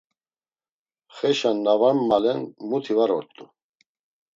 Xeşen na var mvalen muti var ort̆u.